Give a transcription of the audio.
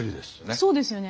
そうですよね。